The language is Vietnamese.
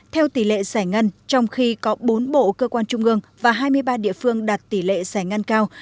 theo tỷ lệ giải ngân trong khi có bốn bộ cơ quan trung ương và hai mươi ba địa phương đạt tỷ lệ giải ngân cao